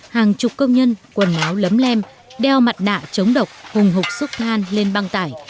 hàng chục công nhân quần áo lấm lem đeo mặt nạ chống độc hùng sup than lên băng tải